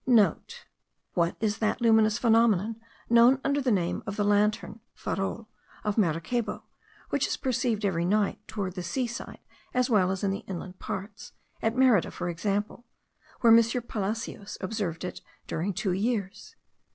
*(* What is that luminous phenomenon known under the name of the Lantern (farol) of Maracaybo, which is perceived every night toward the seaside as well as in the inland parts, at Merida for example, where M. Palacios observed it during two years?